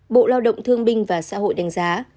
tài nạn lao động thương binh và xã hội đánh giá